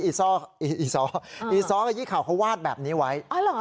อีซ้ออีซ้ออีซะครัวเขาวาดแบบนี้ไว้เออเหรอ